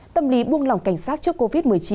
tâm lý buông lỏng cảnh sát trước covid một mươi chín